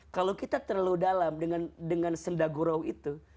kalau kita terlalu dalam dengan senda gurau itu